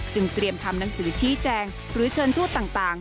เตรียมทำหนังสือชี้แจงหรือเชิญทูตต่าง